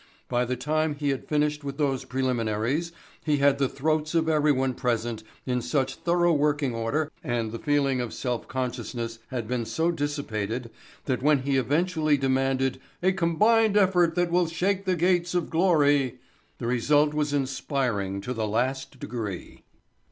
By the time he had finished with those preliminaries he had the throats of everyone present in such thorough working order and the feeling of self consciousness had been so dissipated that when he eventually demanded "a combined effort that will shake the gates of glory" the result was inspiring to the last degree.